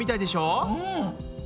うん。